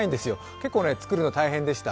結構作るの大変でした。